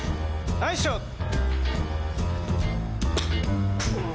ナイスショット！